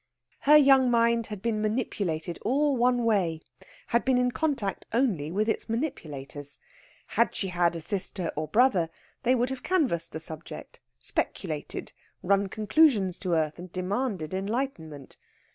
Her young mind had been manipulated all one way had been in contact only with its manipulators. Had she had a sister or brother, they would have canvassed the subject, speculated, run conclusions to earth, and demanded enlightenment.